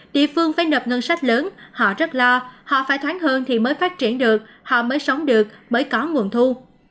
nhiều địa phương phải nập ngân sách lớn họ rất lo họ phải thoáng hương thì mới phát triển được họ mới sống được mới có nguồn thu